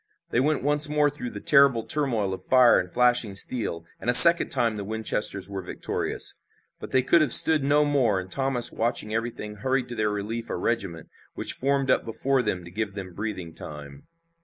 They went once more through that terrible turmoil of fire and flashing steel, and a second time the Winchesters were victorious. But they could have stood no more, and Thomas watching everything hurried to their relief a regiment, which formed up before them to give them breathing time.